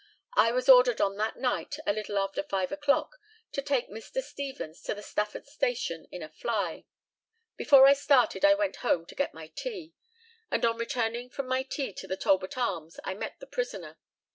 I was ordered on that night, a little after five o'clock, to take Mr. Stevens to the Stafford station in a fly. Before I started I went home to get my tea, and on returning from my tea to the Talbot Arms I met the prisoner.